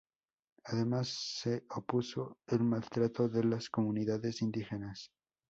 Además se opuso el maltrato de las comunidades indígenas.